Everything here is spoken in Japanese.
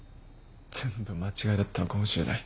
全部間違いだったのかもしれない。